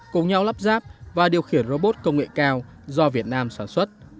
cùng nhau lắp ráp và điều khiển robot công nghệ cao do việt nam sản xuất